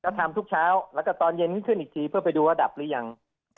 ก็ทำทุกเช้าแล้วก็ตอนเย็นขึ้นอีกทีเพื่อไปดูว่าดับหรือยัง